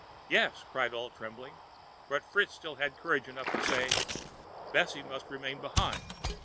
"Yes!" cried all, trembling; but Fritz had still courage enough to say: "Bessy must remain behind."